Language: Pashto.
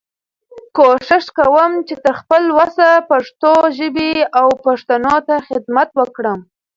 کوشش کوم چې تر خپل وسه پښتو ژبې او پښتنو ته خدمت وکړم.